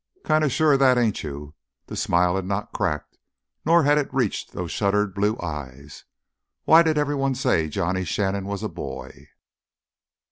"Kinda sure of that, ain't you?" The smile had not cracked, nor had it reached those shuttered blue eyes. Why did everyone say Johnny Shannon was a boy?